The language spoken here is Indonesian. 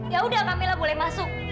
ya udah kamilah boleh masuk